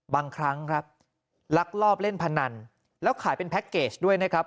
บางครั้งครับลักลอบเล่นพนันแล้วขายเป็นแพ็คเกจด้วยนะครับ